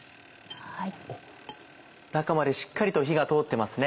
中までしっかりと火が通ってますね。